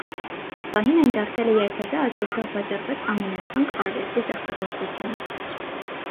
Այդ պահին այն դարձել է երբևէ աճուրդով վաճառված ամենաթանկ արվեստի ստեղծագործությունը։